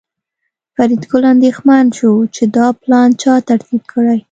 فریدګل اندېښمن شو چې دا پلان چا ترتیب کړی